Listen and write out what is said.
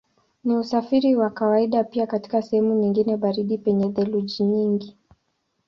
Ni usafiri wa kawaida pia katika sehemu nyingine baridi penye theluji nyingi.